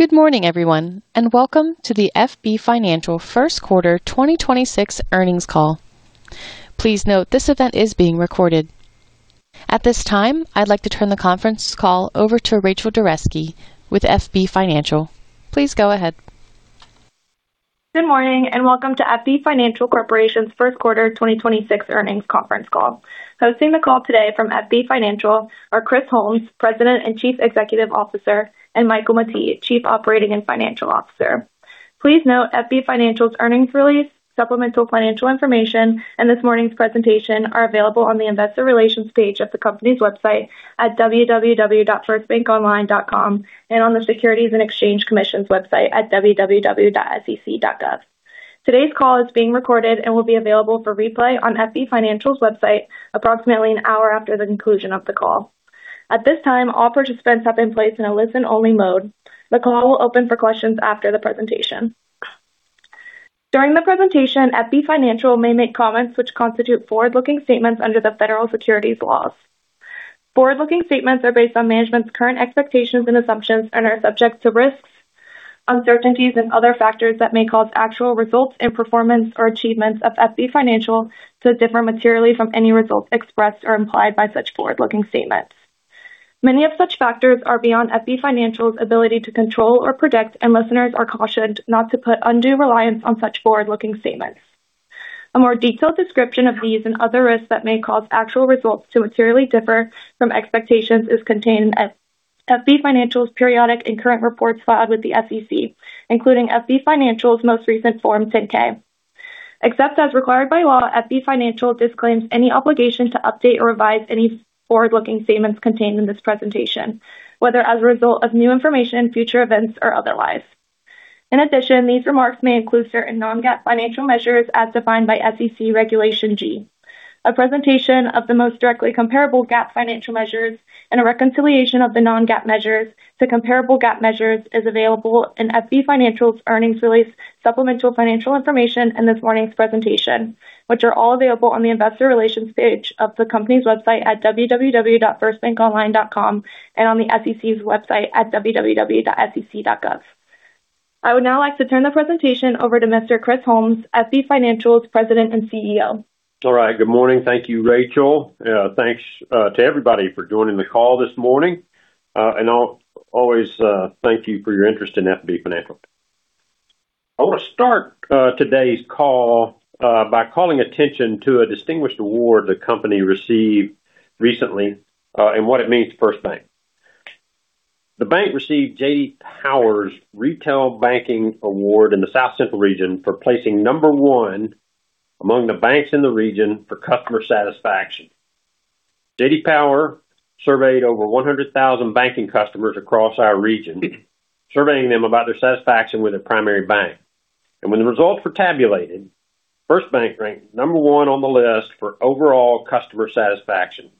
Good morning everyone, and welcome to the FB Financial first quarter 2026 earnings call. Please note this event is being recorded. At this time, I'd like to turn the conference call over to Rachel Dereski with FB Financial. Please go ahead. Good morning and welcome to FB Financial Corporation's first quarter 2026 earnings conference call. Hosting the call today from FB Financial are Chris Holmes, President and Chief Executive Officer, and Michael Mettee, Chief Operating and Financial Officer. Please note FB Financial's Earnings Release, supplemental financial information, and this morning's presentation are available on the investor relations page of the company's website at www.firstbankonline.com and on the Securities and Exchange Commission's website at www.sec.gov. Today's call is being recorded and will be available for replay on FB Financial's website approximately an hour after the conclusion of the call. At this time, all participants have been placed in a listen-only mode. The call will open for questions after the presentation. During the presentation, FB Financial may make comments which constitute forward-looking statements under the federal securities laws. Forward-looking statements are based on management's current expectations and assumptions and are subject to risks, uncertainties, and other factors that may cause actual results and performance or achievements of FB Financial to differ materially from any results expressed or implied by such forward-looking statements. Many of such factors are beyond FB Financial's ability to control or predict, and listeners are cautioned not to put undue reliance on such forward-looking statements. A more detailed description of these and other risks that may cause actual results to materially differ from expectations is contained in FB Financial's periodic and current reports filed with the SEC, including FB Financial's most recent Form 10-K. Except as required by law, FB Financial disclaims any obligation to update or revise any forward-looking statements contained in this presentation, whether as a result of new information, future events, or otherwise. In addition, these remarks may include certain non-GAAP financial measures as defined by SEC Regulation G. A presentation of the most directly comparable GAAP financial measures and a reconciliation of the non-GAAP measures to comparable GAAP measures is available in FB Financial's earnings release, supplemental financial information in this morning's presentation, which are all available on the investor relations page of the company's website at www.firstbankonline.com and on the SEC's website at www.sec.gov. I would now like to turn the presentation over to Mr. Chris Holmes, FB Financial's President and CEO. All right. Good morning. Thank you, Rachel. Thanks to everybody for joining the call this morning. Always thank you for your interest in FB Financial. I want to start today's call by calling attention to a distinguished award the company received recently and what it means to FirstBank. The bank received J.D. Power's Retail Banking Award in the South Central region for placing number one among the banks in the region for customer satisfaction. J.D. Power surveyed over 100,000 banking customers across our region, surveying them about their satisfaction with their primary bank. When the results were tabulated, FirstBank ranked number one on the list for overall customer satisfaction.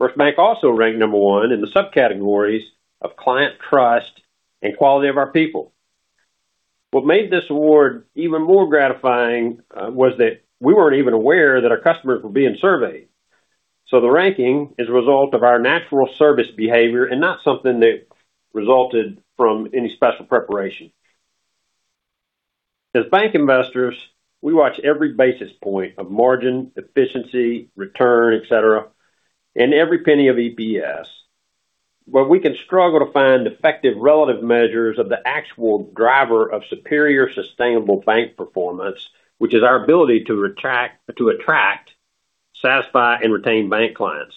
FirstBank also ranked number one in the subcategories of client trust and quality of our people. What made this award even more gratifying was that we weren't even aware that our customers were being surveyed. The ranking is a result of our natural service behavior and not something that resulted from any special preparation. As bank investors, we watch every basis point of margin, efficiency, return, et cetera, and every penny of EPS, where we can struggle to find effective relative measures of the actual driver of superior sustainable bank performance, which is our ability to attract, satisfy, and retain bank clients.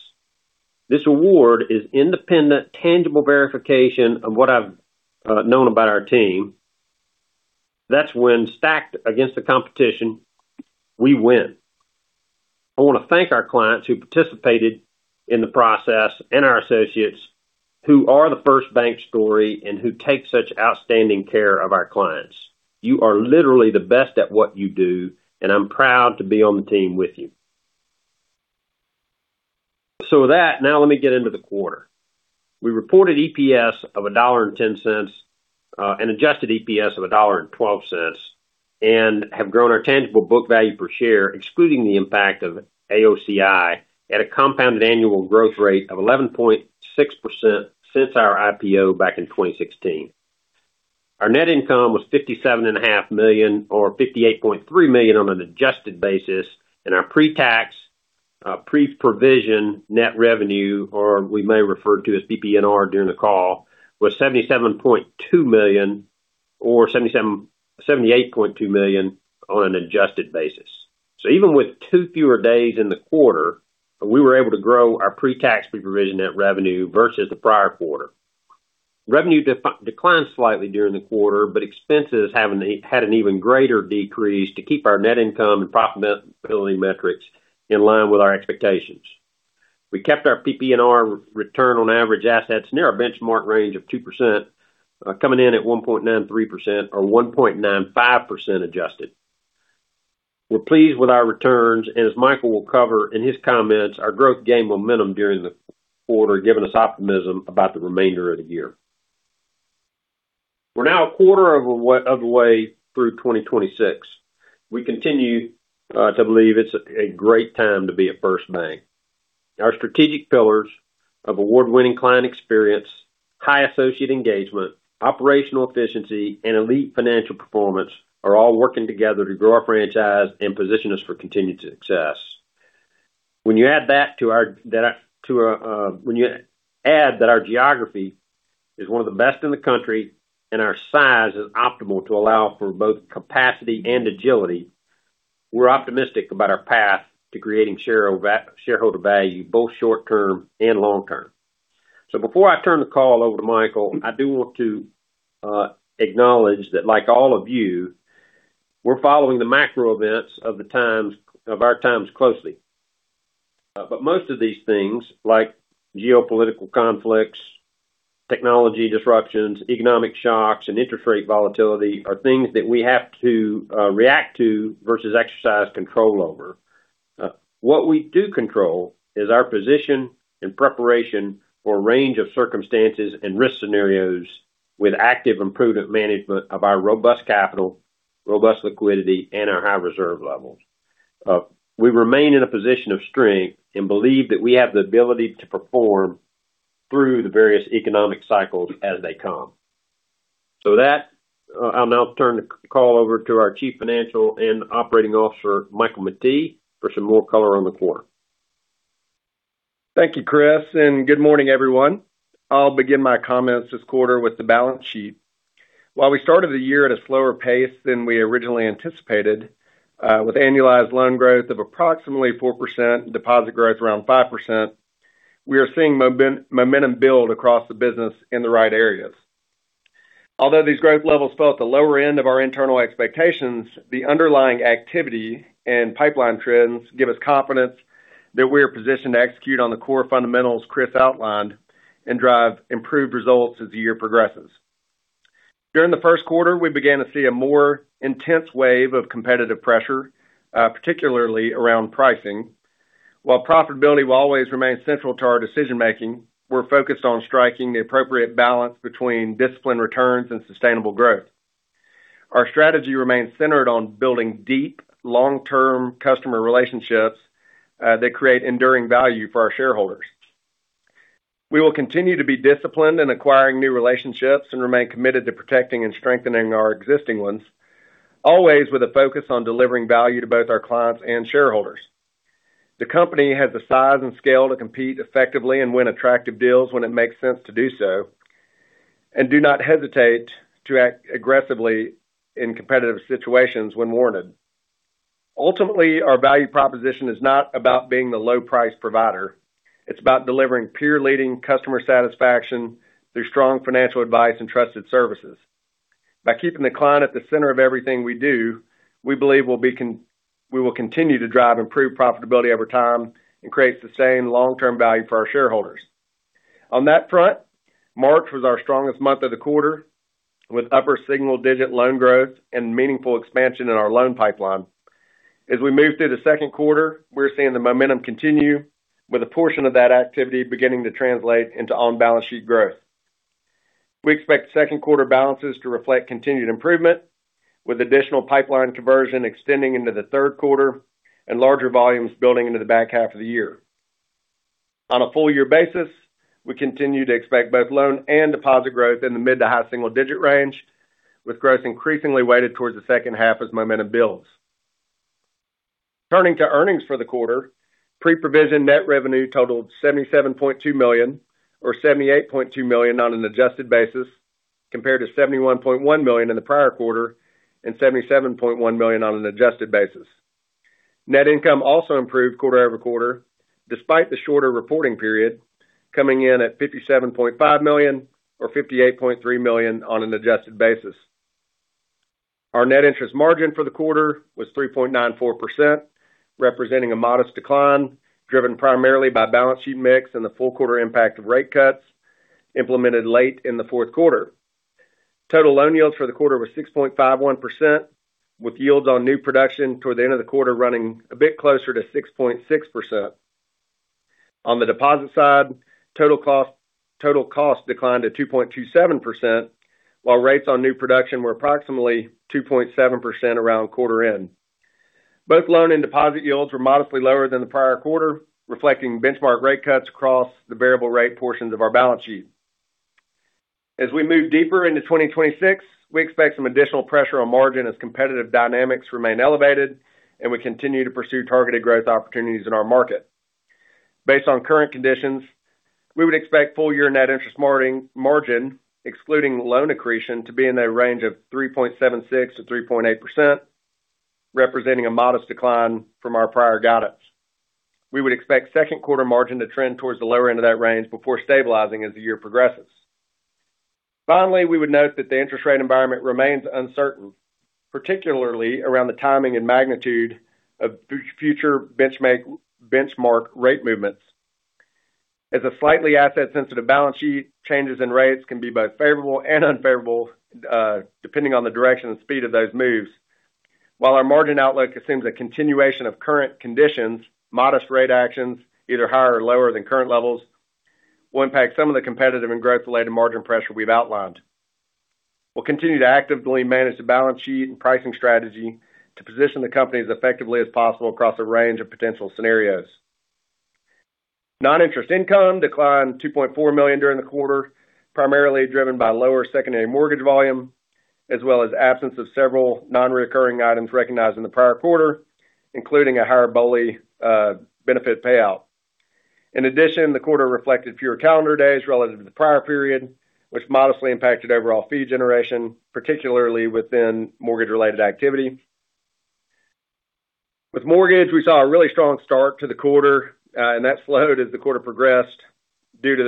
This award is independent, tangible verification of what I've known about our team. That's when stacked against the competition, we win. I want to thank our clients who participated in the process and our associates who are the FirstBank story and who take such outstanding care of our clients. You are literally the best at what you do, and I'm proud to be on the team with you. With that, now let me get into the quarter. We reported EPS of $1.10 and adjusted EPS of $1.12 and have grown our tangible book value per share, excluding the impact of AOCI, at a compounded annual growth rate of 11.6% since our IPO back in 2016. Our net income was $57.5 million, or $58.3 million on an adjusted basis, and our pre-tax, pre-provision net revenue, or we may refer to as PPNR during the call, was $77.2 million, or $78.2 million on an adjusted basis. Even with two fewer days in the quarter, we were able to grow our pre-tax pre-provision net revenue versus the prior quarter. Revenue declined slightly during the quarter, but expenses had an even greater decrease to keep our net income and profitability metrics in line with our expectations. We kept our PPNR return on average assets near our benchmark range of 2%, coming in at 1.93% or 1.95% adjusted. We're pleased with our returns, and as Michael will cover in his comments, our growth gained momentum during the quarter, giving us optimism about the remainder of the year. We're now a quarter of the way through 2026. We continue to believe it's a great time to be at FirstBank. Our strategic pillars of award-winning client experience, high associate engagement, operational efficiency, and elite financial performance are all working together to grow our franchise and position us for continued success. When you add that our geography is one of the best in the country and our size is optimal to allow for both capacity and agility, we're optimistic about our path to creating shareholder value, both short-term and long-term. Before I turn the call over to Michael, I do want to acknowledge that, like all of you, we're following the macro events of our times closely. Most of these things, like geopolitical conflicts, technology disruptions, economic shocks, and interest rate volatility, are things that we have to react to versus exercise control over. What we do control is our position in preparation for a range of circumstances and risk scenarios with active and prudent management of our robust capital, robust liquidity, and our high reserve levels. We remain in a position of strength and believe that we have the ability to perform through the various economic cycles as they come. With that, I'll now turn the call over to our Chief Financial and Operating Officer, Michael Mettee, for some more color on the quarter. Thank you, Chris, and good morning, everyone. I'll begin my comments this quarter with the balance sheet. While we started the year at a slower pace than we originally anticipated, with annualized loan growth of approximately 4%, deposit growth around 5%, we are seeing momentum build across the business in the right areas. Although these growth levels fell at the lower end of our internal expectations, the underlying activity and pipeline trends give us confidence that we are positioned to execute on the core fundamentals Chris outlined and drive improved results as the year progresses. During the first quarter, we began to see a more intense wave of competitive pressure, particularly around pricing. While profitability will always remain central to our decision-making, we're focused on striking the appropriate balance between disciplined returns and sustainable growth. Our strategy remains centered on building deep, long-term customer relationships that create enduring value for our shareholders. We will continue to be disciplined in acquiring new relationships and remain committed to protecting and strengthening our existing ones, always with a focus on delivering value to both our clients and shareholders. The company has the size and scale to compete effectively and win attractive deals when it makes sense to do so, and do not hesitate to act aggressively in competitive situations when warranted. Ultimately, our value proposition is not about being the low-price provider. It's about delivering peer-leading customer satisfaction through strong financial advice and trusted services. By keeping the client at the center of everything we do, we believe we will continue to drive improved profitability over time and create sustained long-term value for our shareholders. On that front, March was our strongest month of the quarter, with upper single-digit loan growth and meaningful expansion in our loan pipeline. As we move through the second quarter, we're seeing the momentum continue with a portion of that activity beginning to translate into on-balance sheet growth. We expect second quarter balances to reflect continued improvement, with additional pipeline conversion extending into the third quarter and larger volumes building into the back half of the year. On a full year basis, we continue to expect both loan and deposit growth in the mid to high single-digit range, with growth increasingly weighted towards the second half as momentum builds. Turning to earnings for the quarter, pre-provision net revenue totaled $77.2 million, or $78.2 million on an adjusted basis, compared to $71.1 million in the prior quarter and $77.1 million on an adjusted basis. Net income also improved quarter-over-quarter, despite the shorter reporting period, coming in at $57.5 million or $58.3 million on an adjusted basis. Our net interest margin for the quarter was 3.94%, representing a modest decline, driven primarily by balance sheet mix and the full quarter impact of rate cuts implemented late in the fourth quarter. Total loan yields for the quarter were 6.51%, with yields on new production toward the end of the quarter running a bit closer to 6.6%. On the deposit side, total costs declined to 2.27%, while rates on new production were approximately 2.7% around quarter end. Both loan and deposit yields were modestly lower than the prior quarter, reflecting benchmark rate cuts across the variable rate portions of our balance sheet. As we move deeper into 2026, we expect some additional pressure on margin as competitive dynamics remain elevated and we continue to pursue targeted growth opportunities in our market. Based on current conditions, we would expect full year net interest margin, excluding loan accretion, to be in the range of 3.76%-3.8%, representing a modest decline from our prior guidance. We would expect second quarter margin to trend towards the lower end of that range before stabilizing as the year progresses. Finally, we would note that the interest rate environment remains uncertain, particularly around the timing and magnitude of future benchmark rate movements. As a slightly asset-sensitive balance sheet, changes in rates can be both favorable and unfavorable, depending on the direction and speed of those moves. While our margin outlook assumes a continuation of current conditions, modest rate actions, either higher or lower than current levels, will impact some of the competitive and growth-related margin pressure we've outlined. We'll continue to actively manage the balance sheet and pricing strategy to position the company as effectively as possible across a range of potential scenarios. Non-interest income declined $2.4 million during the quarter, primarily driven by lower secondary mortgage volume, as well as absence of several non-recurring items recognized in the prior quarter, including a higher BOLI benefit payout. In addition, the quarter reflected fewer calendar days relative to the prior period, which modestly impacted overall fee generation, particularly within mortgage-related activity. With mortgage, we saw a really strong start to the quarter, and that slowed as the quarter progressed due to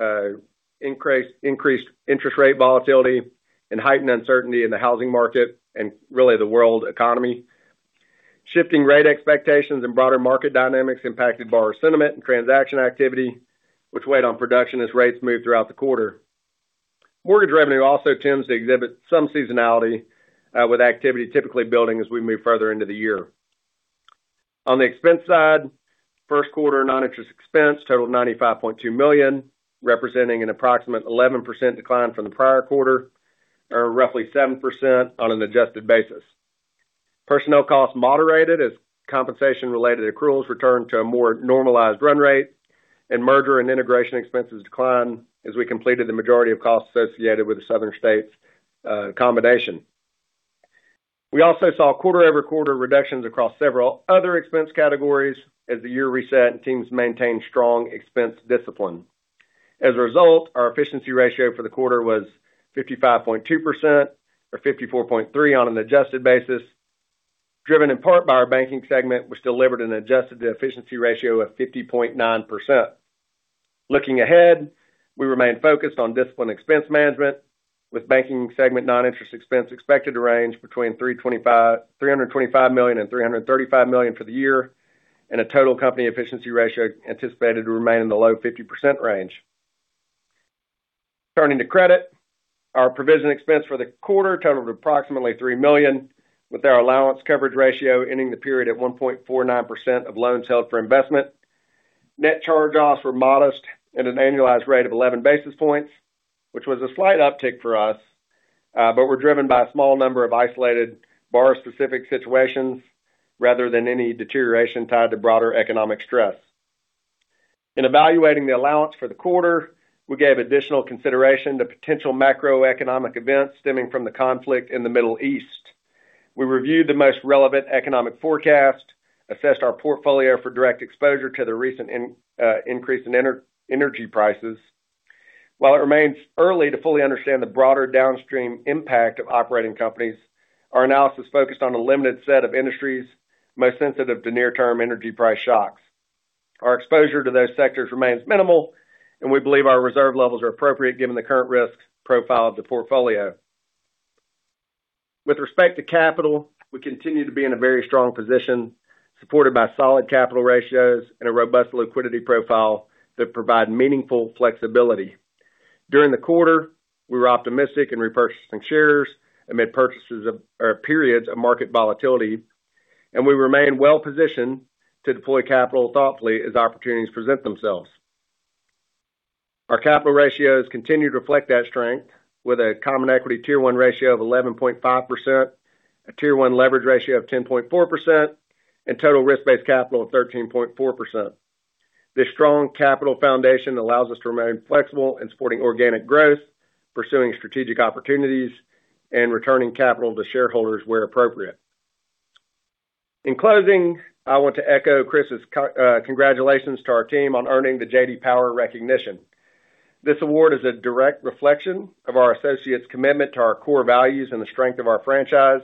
the increased interest rate volatility and heightened uncertainty in the housing market and really the world economy. Shifting rate expectations and broader market dynamics impacted borrower sentiment and transaction activity, which weighed on production as rates moved throughout the quarter. Mortgage revenue also tends to exhibit some seasonality, with activity typically building as we move further into the year. On the expense side, first quarter non-interest expense totaled $95.2 million, representing an approximate 11% decline from the prior quarter, or roughly 7% on an adjusted basis. Personnel costs moderated as compensation-related accruals returned to a more normalized run rate, and merger and integration expenses declined as we completed the majority of costs associated with the Southern States acquisition. We also saw quarter-over-quarter reductions across several other expense categories as the year reset and teams maintained strong expense discipline. As a result, our efficiency ratio for the quarter was 55.2%, or 54.3% on an adjusted basis, driven in part by our Banking segment, which delivered an adjusted efficiency ratio of 50.9%. Looking ahead, we remain focused on disciplined expense management, with Banking segment non-interest expense expected to range between $325 million and $335 million for the year, and a total company efficiency ratio anticipated to remain in the low 50% range. Turning to credit, our provision expense for the quarter totaled approximately $3 million, with our allowance coverage ratio ending the period at 1.49% of loans held for investment. Net charge-offs were modest at an annualized rate of 11 basis points, which was a slight uptick for us, but were driven by a small number of isolated borrower-specific situations rather than any deterioration tied to broader economic stress. In evaluating the allowance for the quarter, we gave additional consideration to potential macroeconomic events stemming from the conflict in the Middle East. We reviewed the most relevant economic forecast, assessed our portfolio for direct exposure to the recent increase in energy prices. While it remains early to fully understand the broader downstream impact of operating companies, our analysis focused on a limited set of industries most sensitive to near-term energy price shocks. Our exposure to those sectors remains minimal, and we believe our reserve levels are appropriate given the current risk profile of the portfolio. With respect to capital, we continue to be in a very strong position, supported by solid capital ratios and a robust liquidity profile that provide meaningful flexibility. During the quarter, we were opportunistic in repurchasing shares amid periods of market volatility, and we remain well-positioned to deploy capital thoughtfully as opportunities present themselves. Our capital ratios continue to reflect that strength with a common equity Tier 1 ratio of 11.5%, a Tier 1 leverage ratio of 10.4%, and total risk-based capital of 13.4%. This strong capital foundation allows us to remain flexible in supporting organic growth, pursuing strategic opportunities, and returning capital to shareholders where appropriate. In closing, I want to echo Chris' congratulations to our team on earning the J.D. Power recognition. This award is a direct reflection of our associates' commitment to our core values and the strength of our franchise,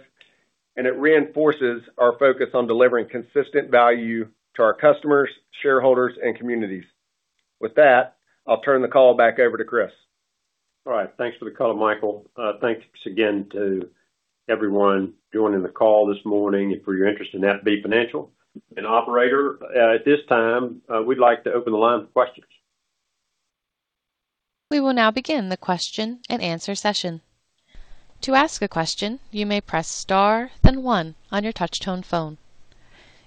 and it reinforces our focus on delivering consistent value to our customers, shareholders, and communities. With that, I'll turn the call back over to Chris. All right. Thanks for the call, Michael. Thanks again to everyone joining the call this morning and for your interest in FB Financial. Operator, at this time, we'd like to open the line for questions. We will now begin the question-and-answer session. To ask a question, you may press star then one on your touch-tone phone.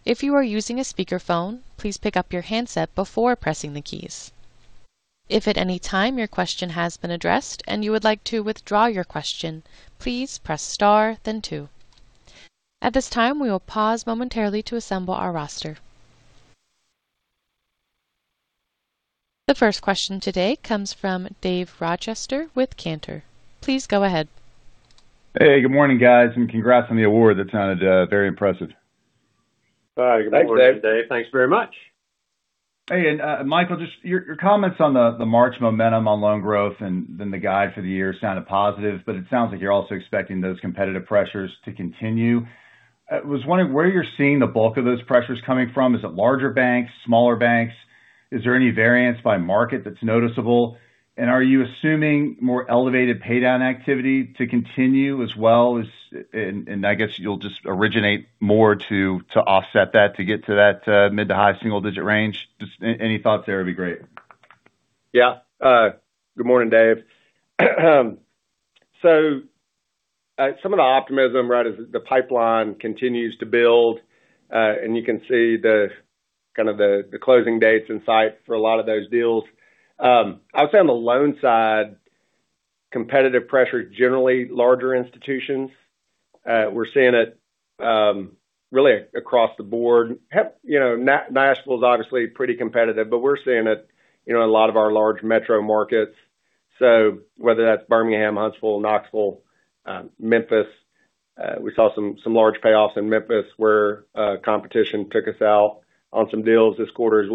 If you are using a speakerphone, please pick up your handset before pressing the keys. If at any time your question has been addressed and you would like to withdraw your question, please press star then two. At this time, we will pause momentarily to assemble our roster. The first question today comes from Dave Rochester with Cantor. Please go ahead. Hey, good morning, guys, and congrats on the award. That sounded very impressive. Good morning, Dave. Thanks very much. Hey, Michael, your comments on the March momentum on loan growth and the guide for the year sounded positive, but it sounds like you're also expecting those competitive pressures to continue. I was wondering where you're seeing the bulk of those pressures coming from. Is it larger banks, smaller banks? Is there any variance by market that's noticeable? Are you assuming more elevated paydown activity to continue as well? I guess you'll just originate more to offset that to get to that mid- to high-single-digit range. Just any thoughts there would be great. Yeah. Good morning, Dave. Some of the optimism, right, is the pipeline continues to build. You can see the closing dates in sight for a lot of those deals. I would say on the loan side, competitive pressure is generally larger institutions. We're seeing it really across the board. Nashville is obviously pretty competitive, but we're seeing it in a lot of our large metro markets, whether that's Birmingham, Huntsville, Knoxville, Memphis. We saw some large payoffs in Memphis where competition took us out on some deals this quarter.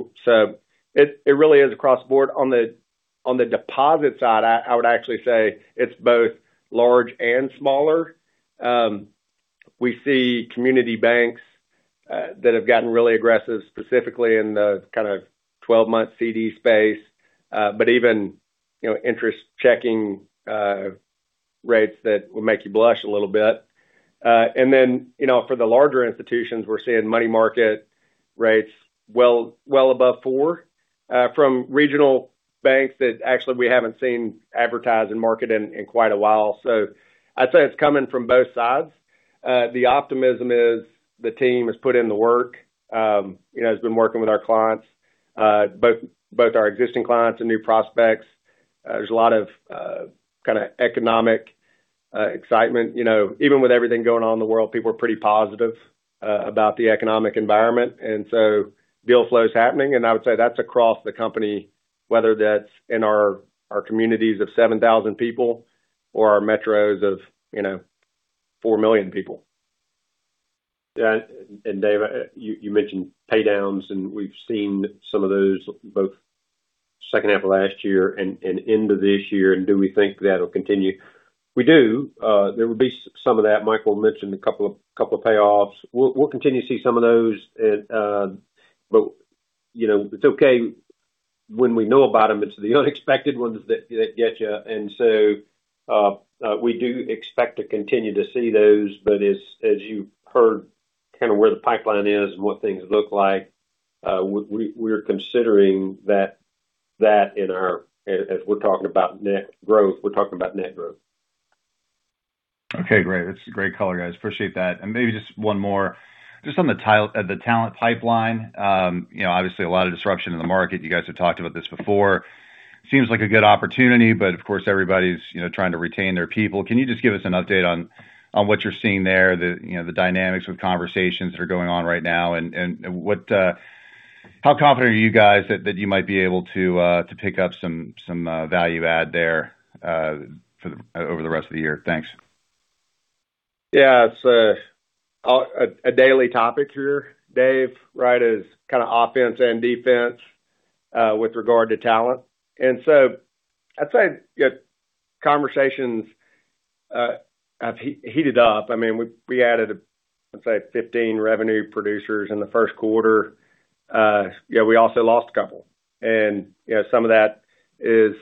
It really is across the board. On the deposit side, I would actually say it's both large and smaller. We see community banks that have gotten really aggressive, specifically in the 12-month CD space, even interest checking rates that will make you blush a little bit. For the larger institutions, we're seeing money market rates well above 4% from regional banks that actually we haven't seen advertise and market in quite a while. I'd say it's coming from both sides. The optimism is the team has put in the work, has been working with our clients, both our existing clients and new prospects. There's a lot of kind of economic excitement. Even with everything going on in the world, people are pretty positive about the economic environment. Deal flow is happening, and I would say that's across the company, whether that's in our communities of 7,000 people or our metros of 4 million people. Yeah. Dave, you mentioned paydowns, and we've seen some of those both second half of last year and into this year, and do we think that'll continue? We do. There will be some of that. Michael mentioned a couple of payoffs. We'll continue to see some of those. It's okay when we know about them. It's the unexpected ones that get you. We do expect to continue to see those. As you've heard kind of where the pipeline is and what things look like, we're considering that as we're talking about net growth. Okay, great. That's great color, guys. Appreciate that. Maybe just one more, just on the talent pipeline. Obviously, a lot of disruption in the market, you guys have talked about this before. Seems like a good opportunity, but of course, everybody's trying to retain their people. Can you just give us an update on what you're seeing there, the dynamics with conversations that are going on right now, and how confident are you guys that you might be able to pick up some value add there over the rest of the year? Thanks. Yeah. It's a daily topic here, Dave, right, is kind of offense and defense with regard to talent. I'd say conversations have heated up. We added, let's say, 15 revenue producers in the first quarter. Yet we also lost a couple, and some of that is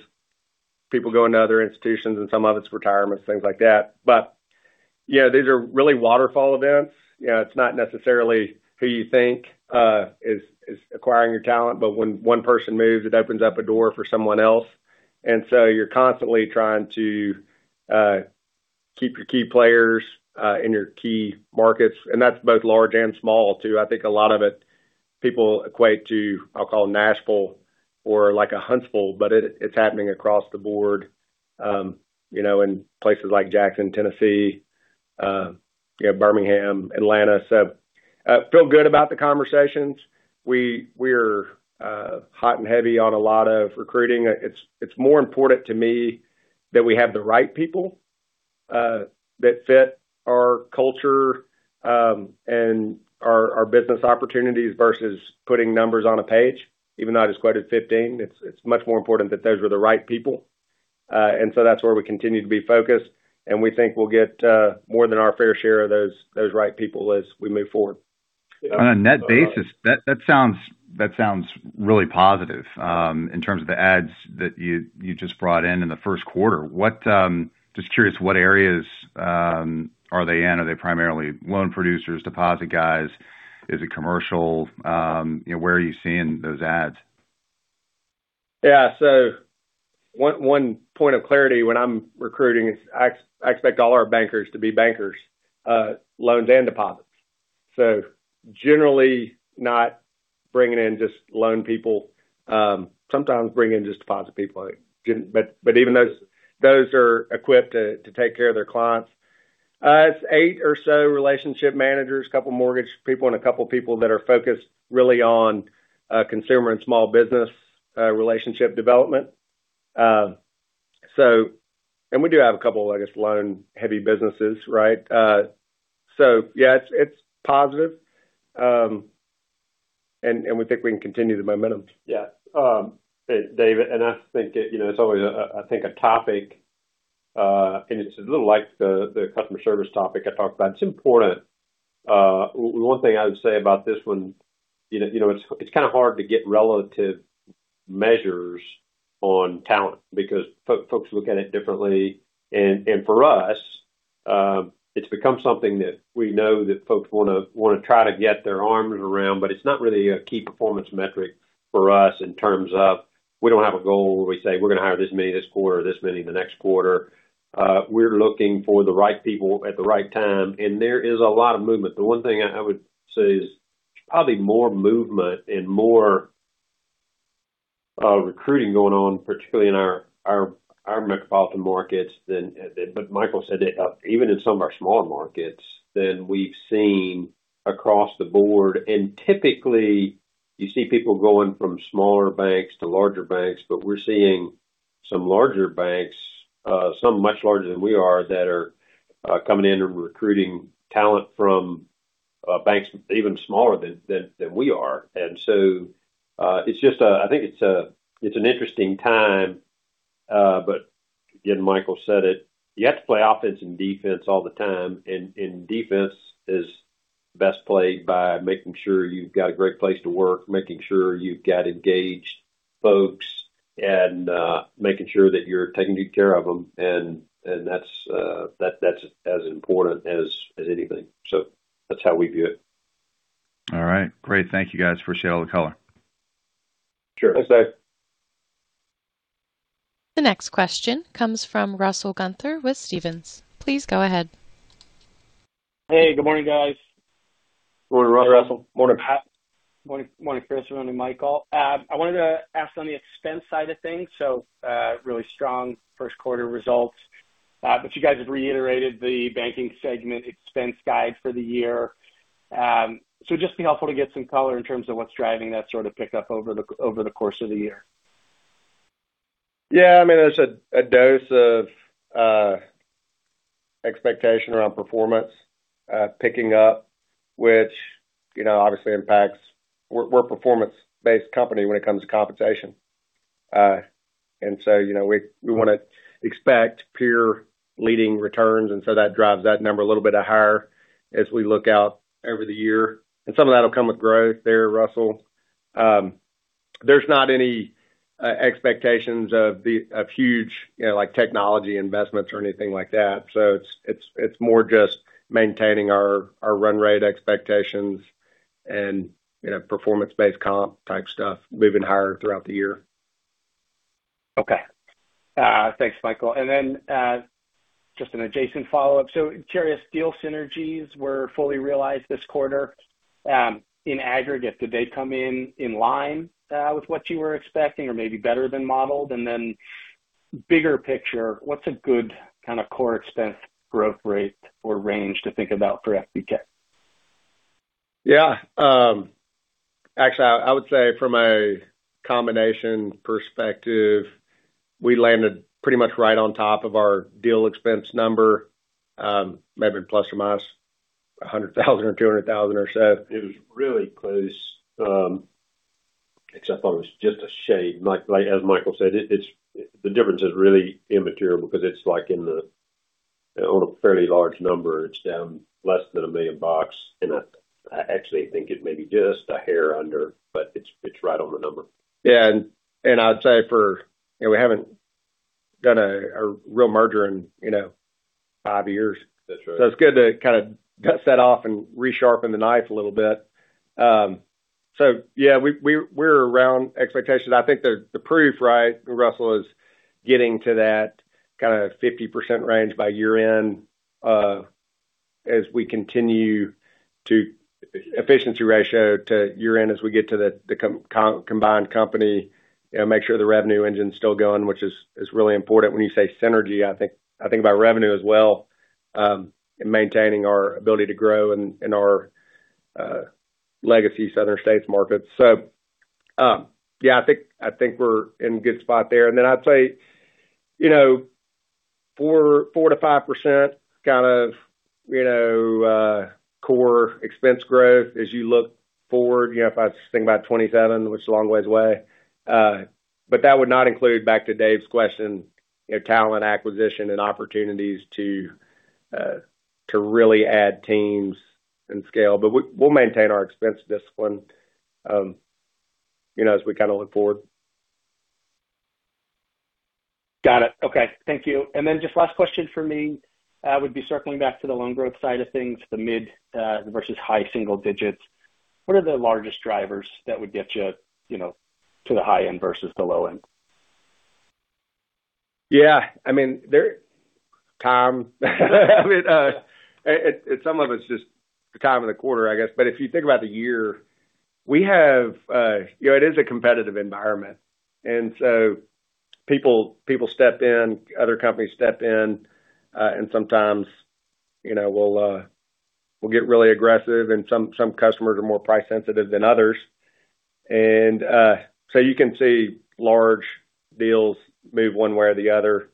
people going to other institutions, and some of it's retirement, things like that. These are really waterfall events. It's not necessarily who you think is acquiring your talent, but when one person moves, it opens up a door for someone else. You're constantly trying to keep your key players in your key markets, and that's both large and small, too. I think a lot of it people equate to, I'll call it Nashville or like a Huntsville, but it's happening across the board, in places like Jackson, Tennessee, Birmingham, Atlanta. Feel good about the conversations. We're hot and heavy on a lot of recruiting. It's more important to me that we have the right people that fit our culture and our business opportunities versus putting numbers on a page. Even though I just quoted 15, it's much more important that those were the right people. That's where we continue to be focused, and we think we'll get more than our fair share of those right people as we move forward. On a net basis, that sounds really positive in terms of the adds that you just brought in in the first quarter. Just curious, what areas are they in? Are they primarily loan producers, deposit guys? Is it commercial? Where are you seeing those adds? Yeah. One point of clarity when I'm recruiting is I expect all our bankers to be bankers, loans and deposits. Generally not bringing in just loan people. Sometimes bring in just deposit people. Even those are equipped to take care of their clients. It's eight or so relationship managers, couple mortgage people, and a couple people that are focused really on consumer and small business relationship development. We do have a couple, I guess, loan-heavy businesses, right? Yeah, it's positive. We think we can continue the momentum. Yeah. David, I think it's always, I think, a topic, and it's a little like the customer service topic I talked about. It's important. One thing I would say about this one, it's kind of hard to get relative measures on talent because folks look at it differently. For us, it's become something that we know that folks want to try to get their arms around, but it's not really a key performance metric for us. We don't have a goal where we say we're going to hire this many this quarter, or this many the next quarter. We're looking for the right people at the right time, and there is a lot of movement. The one thing I would say is probably more movement and more recruiting going on, particularly in our metropolitan markets, but Michael said even in some of our smaller markets than we've seen across the board. Typically, you see people going from smaller banks to larger banks, but we're seeing some larger banks, some much larger than we are, that are coming in and recruiting talent from banks even smaller than we are. I think it's an interesting time. Again, Michael said it. You have to play offense and defense all the time, and defense is best played by making sure you've got a great place to work, making sure you've got engaged folks, and making sure that you're taking good care of them. That's as important as anything. That's how we view it. All right. Great. Thank you, guys. I appreciate all the color. Sure. Thanks, Dave. The next question comes from Russell Gunther with Stephens. Please go ahead. Hey, good morning, guys. Good morning, Russell. Morning, Russell. Morning, Chris. Morning, Michael. I wanted to ask on the expense side of things. Really strong first quarter results. You guys have reiterated the Banking segment expense guide for the year. It would just be helpful to get some color in terms of what's driving that sort of pickup over the course of the year. Yeah. There's a dose of expectation around performance picking up. We're a performance-based company when it comes to compensation. We want to expect peer-leading returns, and so that drives that number a little bit higher as we look out over the year. Some of that'll come with growth there, Russell. There's not any expectations of huge technology investments or anything like that. It's more just maintaining our run-rate expectations and performance-based comp-type stuff moving higher throughout the year. Okay. Thanks, Michael. Just an adjacent follow-up. I'm curious, deal synergies were fully realized this quarter. In aggregate, did they come in in line with what you were expecting or maybe better than modeled? Bigger picture, what's a good kind of core expense growth rate or range to think about for FBK? Yeah. Actually, I would say from a combination perspective, we landed pretty much right on top of our deal expense number. Maybe ±$100,000 or $200,000 or so. It was really close, except on just a shade. As Michael said, the difference is really immaterial because it's like on a fairly large number, it's down less than a million bucks. I actually think it may be just a hair under, but it's right on the number. Yeah. I'd say we haven't done a real merger in five years. That's right. It's good to kind of dust that off and resharpen the knife a little bit. Yeah, we're around expectations. I think the proof, right, Russell, is getting to that kind of 50% range by year-end, as we continue to efficiency ratio to year-end as we get to the combined company, make sure the revenue engine's still going, which is really important. When you say synergy, I think about revenue as well, and maintaining our ability to grow in our legacy Southern States markets. Yeah, I think we're in a good spot there. I'd say, 4%-5% kind of core expense growth as you look forward, if I think about 2027, which is a long way away. That would not include back to Dave's question, talent acquisition and opportunities to really add teams and scale. We'll maintain our expense discipline as we kind of look forward. Got it. Okay. Thank you. Just last question for me would be circling back to the loan growth side of things, the mid versus high single digits. What are the largest drivers that would get you to the high end versus the low end? Yeah. Some of it's just the time of the quarter, I guess. If you think about the year, it is a competitive environment. People step in, other companies step in, and sometimes, we'll get really aggressive and some customers are more price sensitive than others. You can see large deals move one way or the other.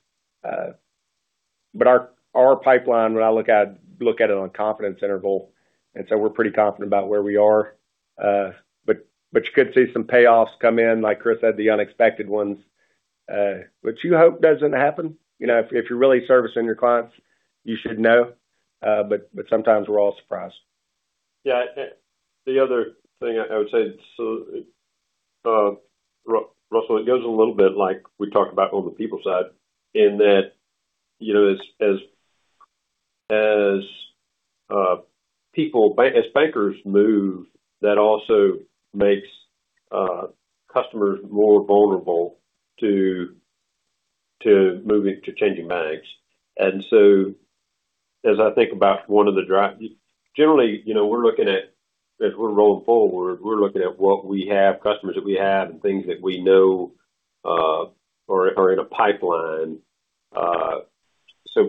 Our pipeline, when I look at it on confidence interval, we're pretty confident about where we are. You could see some payoffs come in, like Chris said, the unexpected ones, which you hope doesn't happen. If you're really servicing your clients, you should know, but sometimes we're all surprised. Yeah. The other thing I would say, Russell, it goes a little bit like we talked about on the people side, in that, as bankers move, that also makes customers more vulnerable to changing banks. Generally, as we're rolling forward, we're looking at what we have, customers that we have, and things that we know are in a pipeline.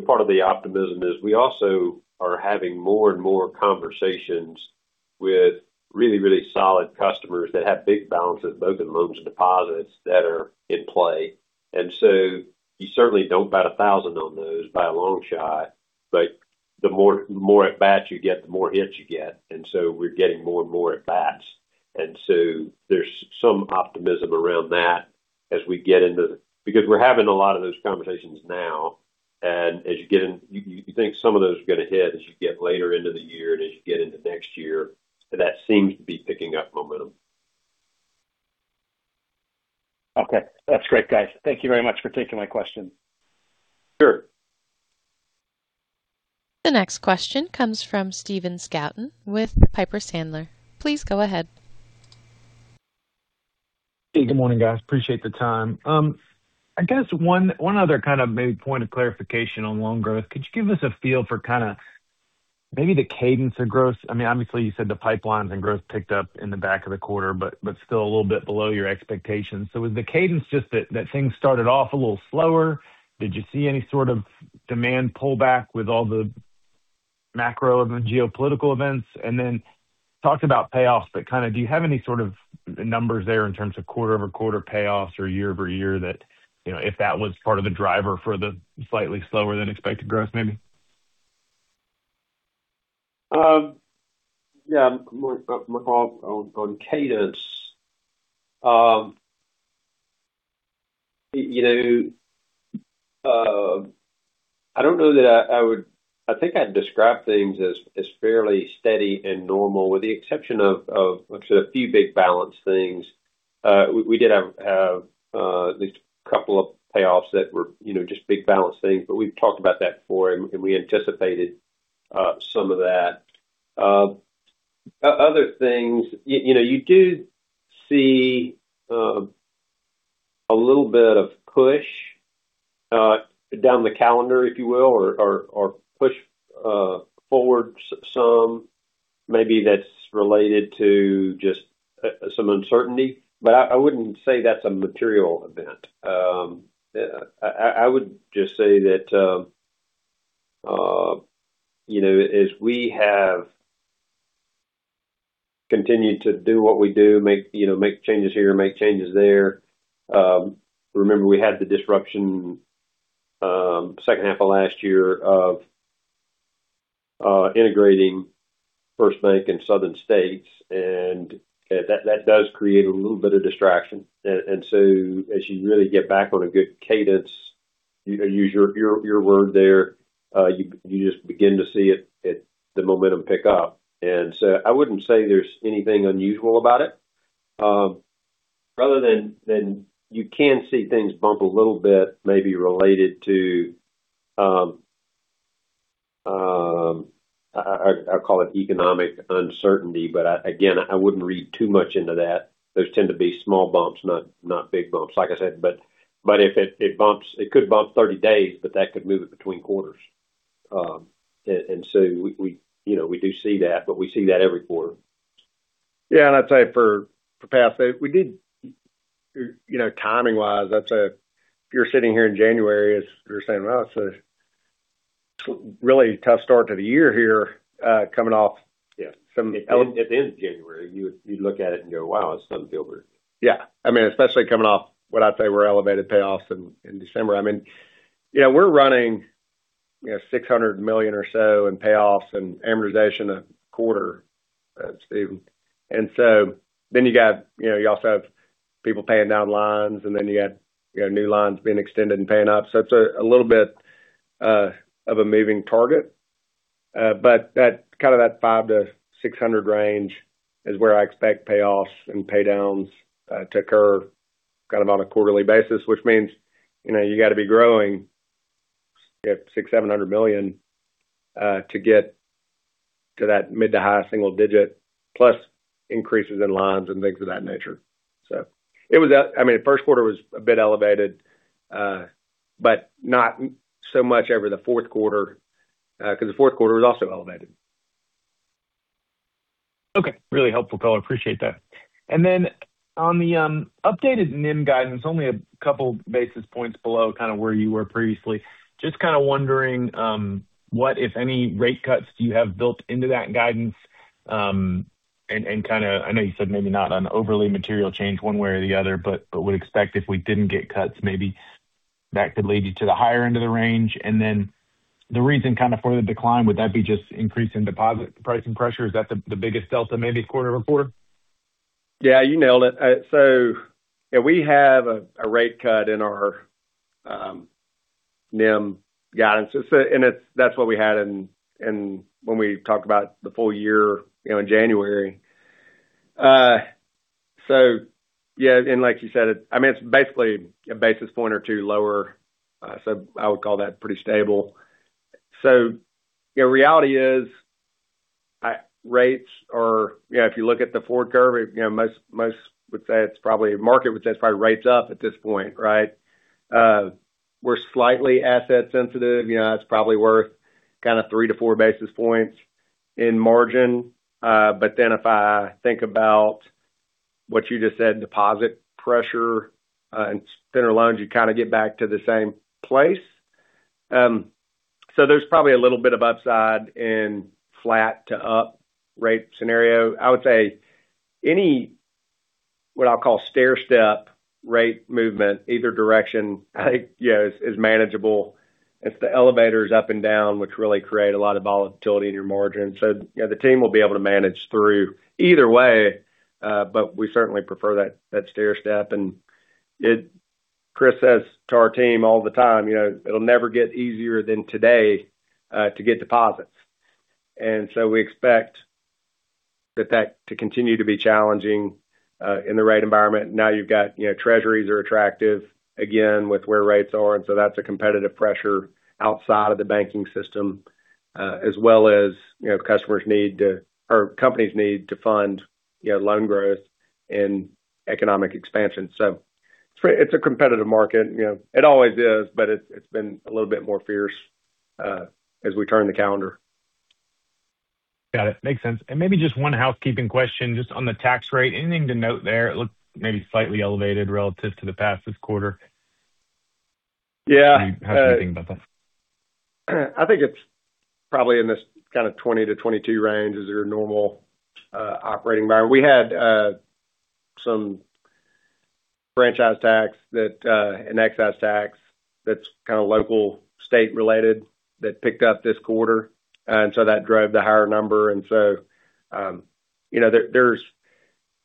Part of the optimism is we also are having more and more conversations with really, really solid customers that have big balances, both in loans and deposits, that are in play. You certainly don't bat 1,000 on those, by a long shot. The more at bats you get, the more hits you get. We're getting more and more at bats. There's some optimism around that because we're having a lot of those conversations now. You think some of those are going to hit as you get later into the year and as you get into next year. That seems to be picking up momentum. Okay. That's great, guys. Thank you very much for taking my question. Sure. The next question comes from Stephen Scouten with Piper Sandler. Please go ahead. Hey, good morning, guys. Appreciate the time. I guess one other kind of maybe point of clarification on loan growth. Could you give us a feel for kind of maybe the cadence of growth? Obviously, you said the pipelines and growth picked up in the back of the quarter, but still a little bit below your expectations. Was the cadence just that things started off a little slower? Did you see any sort of demand pullback with all the macro and the geopolitical events? Talked about payoffs, but do you have any sort of numbers there in terms of quarter-over-quarter payoffs or year-over-year that, if that was part of the driver for the slightly slower than expected growth, maybe? Yeah. From a loan cadence, I think I'd describe things as fairly steady and normal, with the exception of a few big balance things. We did have at least a couple of payoffs that were just big balance things. We've talked about that before, and we anticipated some of that. Other things, you do see a little bit of push down the calendar, if you will, or push forward some. Maybe that's related to just some uncertainty. I wouldn't say that's a material event. I would just say that, as we have continued to do what we do, make changes here and make changes there. Remember, we had the disruption, second half of last year, of integrating FirstBank and Southern States, and that does create a little bit of distraction. As you really get back on a good cadence, to use your word there, you just begin to see the momentum pick up. I wouldn't say there's anything unusual about it, other than you can see things bump a little bit, maybe related to, I call it economic uncertainty. Again, I wouldn't read too much into that. Those tend to be small bumps, not big bumps, like I said. It could bump 30 days, but that could move it between quarters. We do see that, but we see that every quarter. Yeah. I'd say for Russell, timing-wise, I'd say if you're sitting here in January, as you're saying, "Wow, it's a really tough start to the year here. Yeah. At the end of January, you'd look at it and go, wow, it's starting to feel weird. Yeah, especially coming off what I'd say were elevated payoffs in December. We're running $600 million or so in payoffs and amortization a quarter, Stephen. You also have people paying down lines, and then you have new lines being extended and paying up. It's a little bit of a moving target. That kind of $500 million-$600 million range is where I expect payoffs and pay downs to occur kind of on a quarterly basis, which means you got to be growing $600 million-$700 million to get to that mid-to-high single-digit plus increases in lines and things of that nature. The first quarter was a bit elevated, but not so much over the fourth quarter, because the fourth quarter was also elevated. Okay. Really helpful, Color. Appreciate that. On the updated NIM guidance, only a couple basis points below kind of where you were previously, just kind of wondering, what, if any, rate cuts do you have built into that guidance? I know you said maybe not an overly material change one way or the other, but would expect if we didn't get cuts, maybe that could lead you to the higher end of the range. The reason for the decline, would that be just increase in deposit pricing pressure? Is that the biggest delta, maybe quarter-over-quarter? Yeah, you nailed it. We have a rate cut in our NIM guidance. That's what we had when we talked about the full year in January. Yeah, and like you said, it's basically a basis point or two lower. I would call that pretty stable. Reality is, if you look at the forward curve, market would say it's probably rates up at this point, right? We're slightly asset sensitive. It's probably worth kind of three to four basis points in margin. If I think about what you just said, deposit pressure and thinner loans, you kind of get back to the same place. There's probably a little bit of upside in flat to up rate scenario. I would say any, what I'll call stairstep rate movement, either direction, I think, yeah, is manageable. It's the elevators up and down which really create a lot of volatility in your margin. The team will be able to manage through either way. We certainly prefer that stairstep. Chris says to our team all the time, "It'll never get easier than today to get deposits." We expect that to continue to be challenging, in the right environment. Now you've got Treasuries are attractive again with where rates are, and so that's a competitive pressure outside of the banking system. As well as, companies need to fund loan growth and economic expansion. It's a competitive market. It always is, but it's been a little bit more fierce as we turn the calendar. Got it. Makes sense. Maybe just one housekeeping question, just on the tax rate. Anything to note there? It looks maybe slightly elevated relative to the past this quarter. Yeah. Do you have anything about that? I think it's probably in this kind of 20%-22% range is our normal operating environment. We had some franchise tax, an excess tax that's kind of local state-related that picked up this quarter. That drove the higher number. There's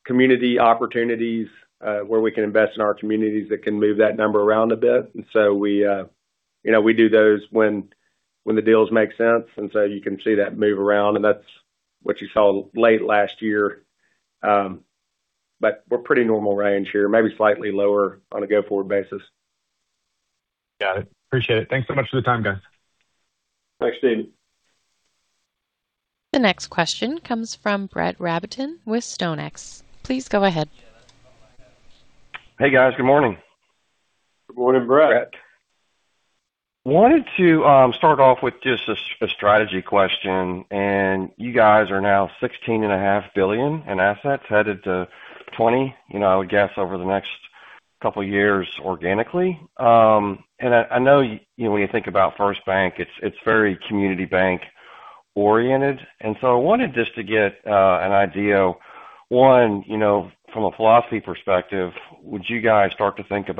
community opportunities where we can invest in our communities that can move that number around a bit. We do those when the deals make sense. You can see that move around. That's what you saw late last year. We're pretty normal range here, maybe slightly lower on a go-forward basis. Got it. Appreciate it. Thanks so much for the time, guys. Thanks, Stephen. The next question comes from Brett Rabatin with StoneX. Please go ahead. Hey, guys. Good morning. Good morning, Brett. Brett. Wanted to start off with just a strategy question. You guys are now $16.5 billion in assets, headed to $20, I would guess, over the next couple of years organically. I know, when you think about FirstBank, it's very community bank oriented. I wanted just to get an idea, one, from a philosophy perspective, would you guys start to think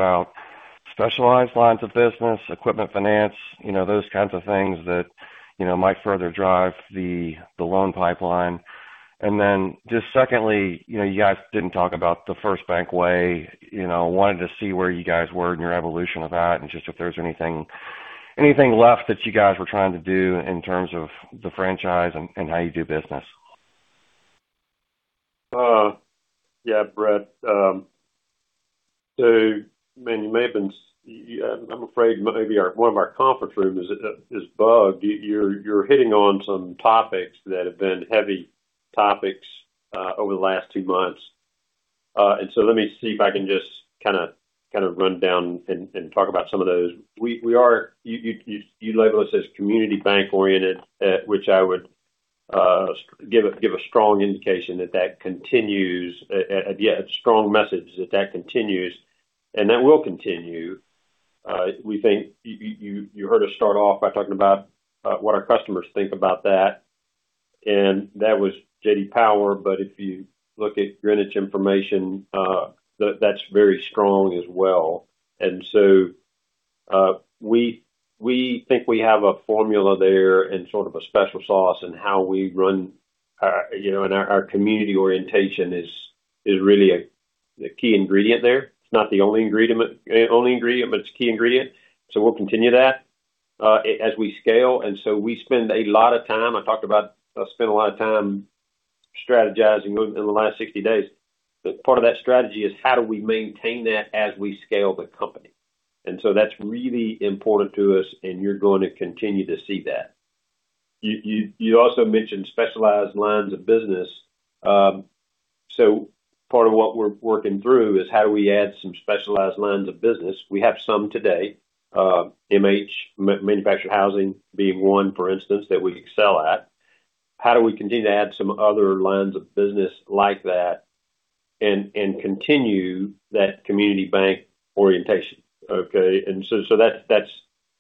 about specialized lines of business, equipment finance, those kinds of things that might further drive the loan pipeline? Just secondly, you guys didn't talk about the First Bank Way. Wanted to see where you guys were in your evolution of that, and just if there's anything left that you guys were trying to do in terms of the franchise and how you do business. Yeah, Brett. I mean, I'm afraid maybe one of our conference rooms is bugged. You're hitting on some topics that have been heavy topics over the last two months. Let me see if I can just kind of run down and talk about some of those. You label us as community bank oriented, which I would give a strong indication that that continues, a strong message that that continues. That will continue. You heard us start off by talking about what our customers think about that. That was J.D. Power, but if you look at Greenwich Information, that's very strong as well. We think we have a formula there and sort of a special sauce in how we run, and our community orientation is really a key ingredient there. It's not the only ingredient, but it's a key ingredient. We'll continue that as we scale. I've spent a lot of time strategizing in the last 60 days. Part of that strategy is how do we maintain that as we scale the company? That's really important to us, and you're going to continue to see that. You also mentioned specialized lines of business. Part of what we're working through is how do we add some specialized lines of business. We have some today, MH, manufactured housing, being one, for instance, that we excel at. How do we continue to add some other lines of business like that and continue that community bank orientation, okay? That's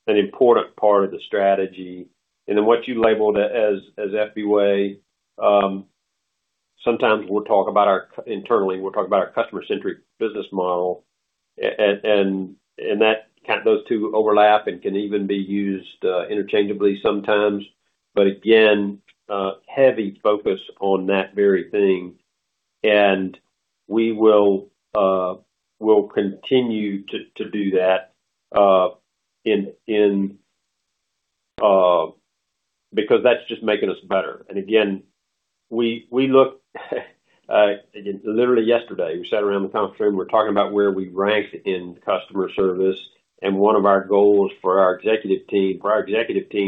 an important part of the strategy. What you labeled as FB Way, sometimes internally, we'll talk about our customer-centric business model. Those two overlap and can even be used interchangeably sometimes. Again, heavy focus on that very thing. We'll continue to do that because that's just making us better. Again, literally yesterday, we sat around the conference room, we're talking about where we ranked in customer service. One of our goals for our executive team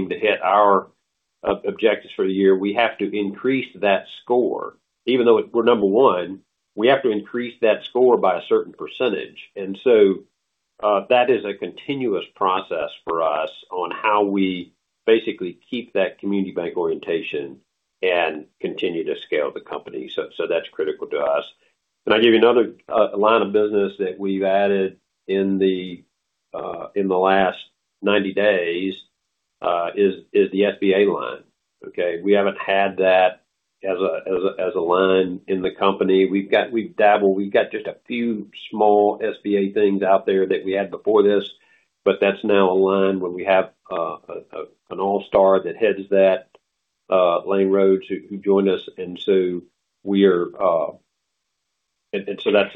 to hit our objectives for the year, we have to increase that score. Even though we're number one, we have to increase that score by a certain percentage. That is a continuous process for us on how we basically keep that community bank orientation and continue to scale the company. That's critical to us. I'll give you another line of business that we've added in the last 90 days, is the SBA line. Okay? We haven't had that as a line in the company. We've dabbled, we've got just a few small SBA things out there that we had before this, but that's now a line where we have an all-star that heads that, Lane Rhodes, who joined us.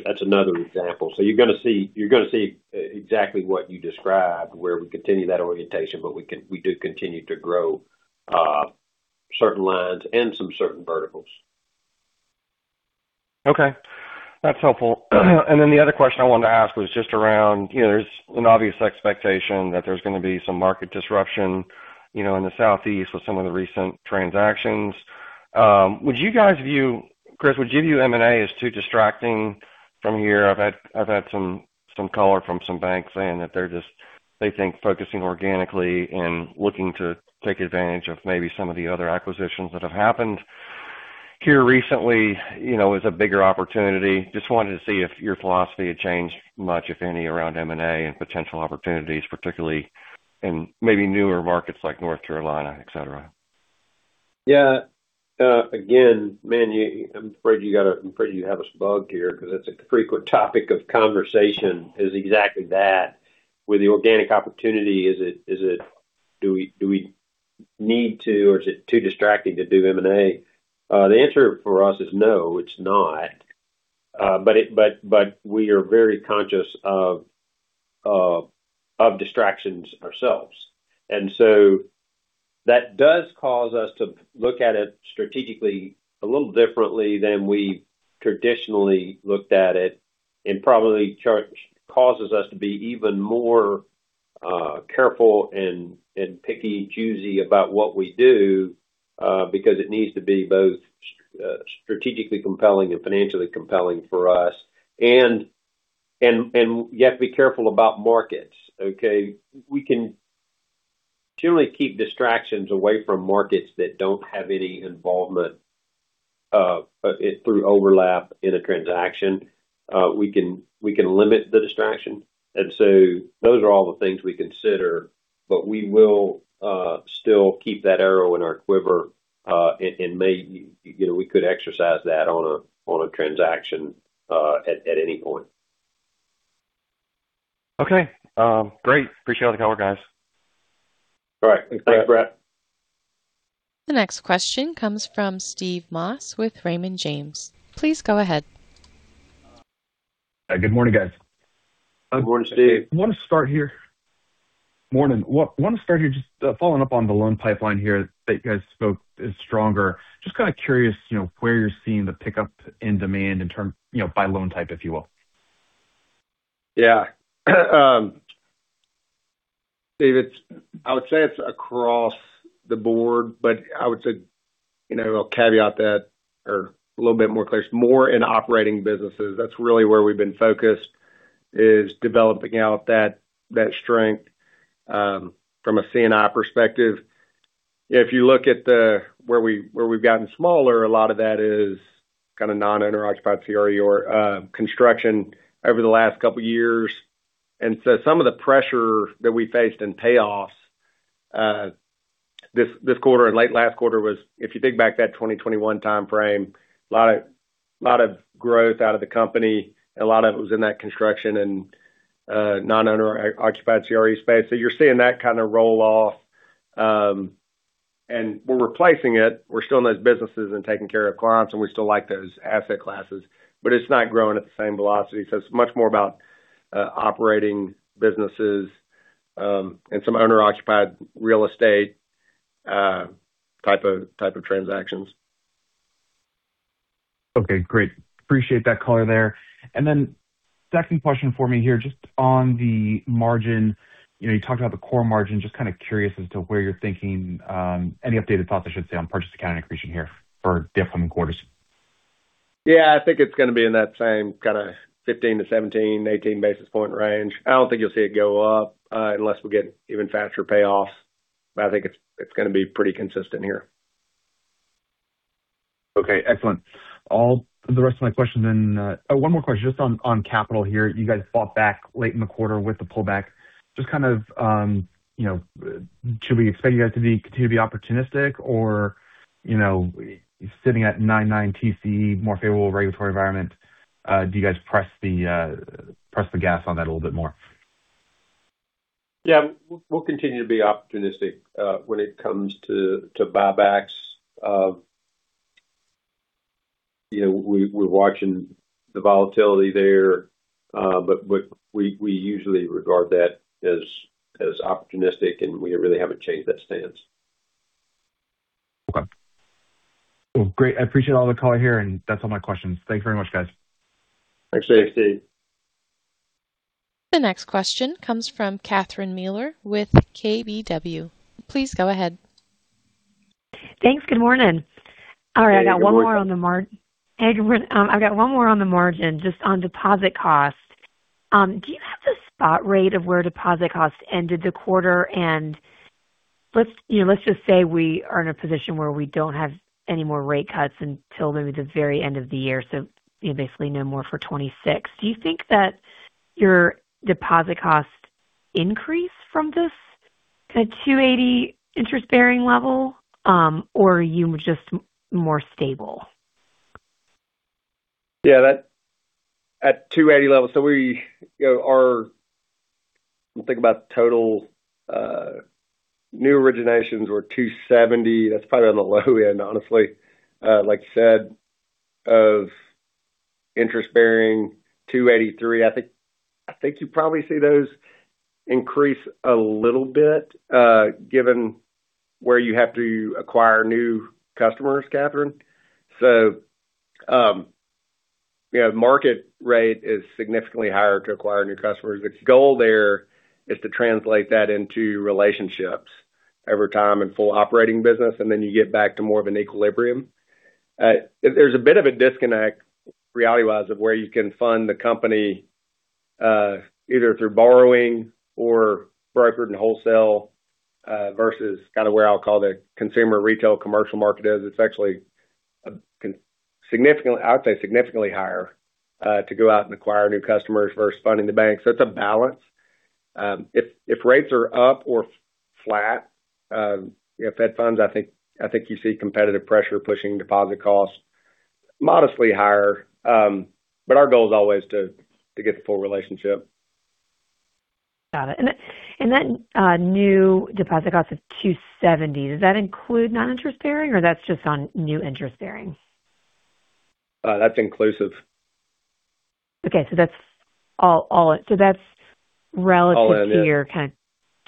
That's another example. You're going to see exactly what you described, where we continue that orientation, but we do continue to grow certain lines and some certain verticals. Okay. That's helpful. The other question I wanted to ask was just around, there's an obvious expectation that there's going to be some market disruption in the Southeast with some of the recent transactions. Chris, would you view M&A as too distracting from here? I've had some color from some banks saying that they think focusing organically and looking to take advantage of maybe some of the other acquisitions that have happened here recently is a bigger opportunity. I just wanted to see if your philosophy had changed much, if any, around M&A and potential opportunities, particularly in maybe newer markets like North Carolina, et cetera. Yeah, again, man, I'm afraid you have us bugged here because it's a frequent topic of conversation, is exactly that. With the organic opportunity, do we need to, or is it too distracting to do M&A? The answer for us is no, it's not. We are very conscious of distractions ourselves. That does cause us to look at it strategically a little differently than we traditionally looked at it, and probably causes us to be even more careful and picky, choosy about what we do, because it needs to be both strategically compelling and financially compelling for us. You have to be careful about markets, okay? We can generally keep distractions away from markets that don't have any involvement through overlap in a transaction. We can limit the distraction. Those are all the things we consider. We will still keep that arrow in our quiver, and we could exercise that on a transaction at any point. Okay. Great. I appreciate the color, guys. All right. Thanks, Brett. The next question comes from Steve Moss with Raymond James. Please go ahead. Good morning, guys. Good morning, Steve. I want to start here, just following up on the loan pipeline here that you guys spoke is stronger. Just kind of curious where you're seeing the pickup in demand by loan type, if you will? Yeah. Steve, I would say it's across the board, but I would say, I'll caveat that or a little bit more clear, it's more in operating businesses. That's really where we've been focused, is developing out that strength from a C&I perspective. If you look at where we've gotten smaller, a lot of that is kind of non-owner occupied CRE or construction over the last couple of years. Some of the pressure that we faced in payoffs this quarter and late last quarter was, if you think back that 2021 timeframe, a lot of growth out of the company, a lot of it was in that construction and non-owner occupied CRE space. You're seeing that kind of roll off. We're replacing it. We're still in those businesses and taking care of clients, and we still like those asset classes, but it's not growing at the same velocity. It's much more about operating businesses, and some owner-occupied real estate type of transactions. Okay, great. Appreciate that color there. Second question for me here, just on the margin. You talked about the core margin, just kind of curious as to where you're thinking, any updated thoughts, I should say, on purchase accounting accretion here for the upcoming quarters? Yeah, I think it's going to be in that same kind of 15-17, 18 basis point range. I don't think you'll see it go up, unless we get even faster payoffs. I think it's going to be pretty consistent here. Okay, excellent. One more question, just on capital here. You guys bought back late in the quarter with the pullback. Should we expect you guys to continue to be opportunistic? Sitting at 9.9% TCE, more favorable regulatory environment, do you guys press the gas on that a little bit more? Yeah. We'll continue to be opportunistic, when it comes to buybacks. We're watching the volatility there. We usually regard that as opportunistic, and we really haven't changed that stance. Okay. Well, great. I appreciate all the color here, and that's all my questions. Thank you very much, guys. Thanks, Steve. The next question comes from Catherine Mealor with KBW. Please go ahead. Thanks. Good morning. Good morning. All right, I've got one more on the margin, just on deposit cost. Do you have the spot rate of where deposit cost ended the quarter? Let's just say we are in a position where we don't have any more rate cuts until maybe the very end of the year, so basically no more for 2026. Do you think that your deposit costs increase from this kind of 2.80% interest-bearing level, or are you just more stable? Yeah. At 280 level 3. When we think about total new originations were 270. That's probably on the low end, honestly. Like you said, of interest-bearing 283. I think you probably see those increase a little bit, given where you have to acquire new customers, Catherine. The market rate is significantly higher to acquire new customers. The goal there is to translate that into relationships over time and full operating business, and then you get back to more of an equilibrium. There's a bit of a disconnect, reality-wise, of where you can fund the company, either through borrowing or brokered and wholesale, versus kind of where I'll call the consumer retail commercial market is. It's actually, I would say, significantly higher to go out and acquire new customers versus funding the bank. It's a balance. If rates are up or flat, Fed funds, I think you see competitive pressure pushing deposit costs modestly higher. Our goal is always to get the full relationship. Got it. That new deposit cost of 270, does that include non-interest-bearing, or that's just on new interest-bearings? That's inclusive. Okay. That's all in. All in, yeah. That's relative to your kind of